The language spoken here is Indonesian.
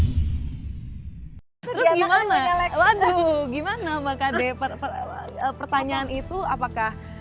terus gimana waduh gimana mbak kade pertanyaan itu apakah